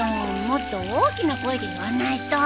もっと大きな声で言わないと。